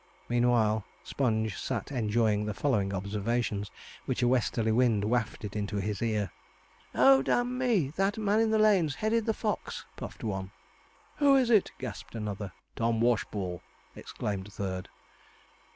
Meanwhile Sponge sat enjoying the following observations, which a westerly wind wafted into his ear. 'Oh, d n me! that man in the lane's headed the fox,' puffed one. 'Who is it?' gasped another. 'Tom Washball!' exclaimed a third.